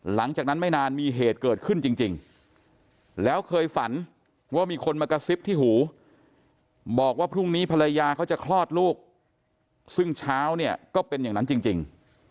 หลังจากนั้นไม่นานมีเหตุเกิดขึ้นจริงแล้วเคยฝันว่ามีคนมากระซิบที่หูบอกว่าพรุ่งนี้ภรรยาเขาจะคลอดลูกซึ่งเช้าเนี่ยก็เป็นอย่างนั้นจริง